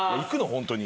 ホントに。